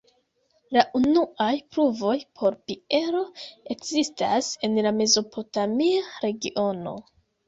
La unuaj pruvoj por biero ekzistas en la mezopotamia regiono.